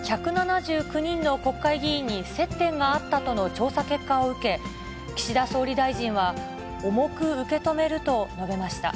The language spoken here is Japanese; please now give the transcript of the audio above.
１７９人の国会議員に接点があったとの調査結果を受け、岸田総理大臣は、重く受け止めると述べました。